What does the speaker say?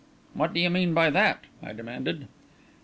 "What do you mean by that?" I demanded.